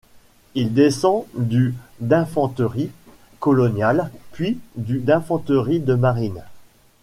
Il descend du d'infanterie coloniale puis du d'infanterie de marine.